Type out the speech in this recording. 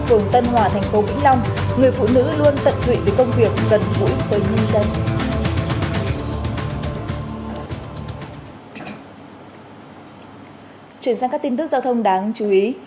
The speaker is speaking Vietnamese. chuyển sang các tin tức giao thông đáng chú ý